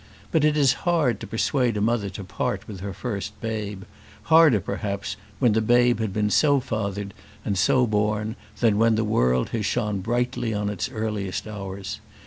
But it is hard to persuade a mother to part with her first babe; harder, perhaps, when the babe had been so fathered and so born than when the world has shone brightly on its earliest hours.